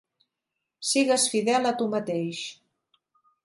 Sigues fidel a tu mateix